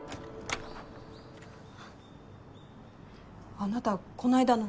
あなたこないだの。